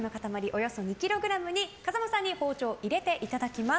およそ２ｋｇに風間さんに包丁を入れていただきます。